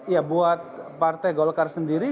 ya buat partai golkar sendiri